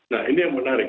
nah ini yang menarik